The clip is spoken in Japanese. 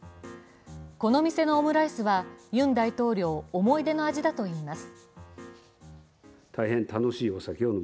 この店のオムライスは、ユン大統領の思い出の味だといいます。